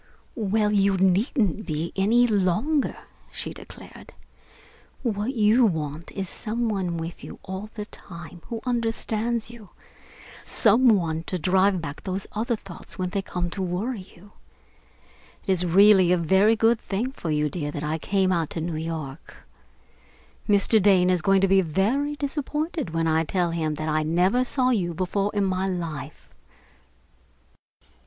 "Well, you needn't be any longer," she declared. "What you want is some one with you all the time who understands you, some one to drive back those other thoughts when they come to worry you. It is really a very good thing for you, dear, that I came out to New York. Mr. Dane is going to be very disappointed when I tell him that I never saw you before in my life....